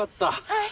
はい。